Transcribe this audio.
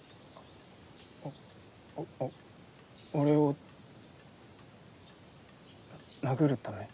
おおお俺を殴るため？